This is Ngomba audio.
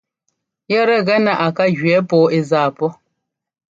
Yɛ́tɛ́ gɛ nɛ́ á ká jʉɛ pɔɔ ɛ́ zaa pɔ́.